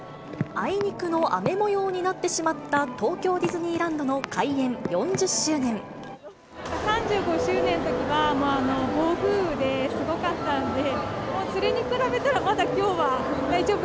あいにくの雨もようになってしまった東京ディズニーランドの開園３５周年のときは、もう暴風雨ですごかったんで、それに比べたら、まだきょうは大丈夫。